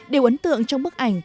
điều ấn tượng trong bức ảnh